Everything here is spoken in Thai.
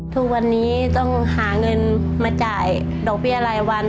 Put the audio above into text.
ทุกวันนี้ต้องหาเงินมาจ่ายดอกเบี้ยรายวัน